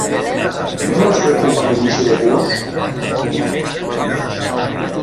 Que no els preocupa l’inici de curs?